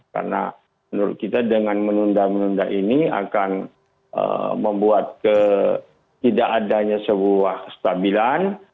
karena menurut kita dengan menunda menunda ini akan membuat ke tidak adanya sebuah kestabilan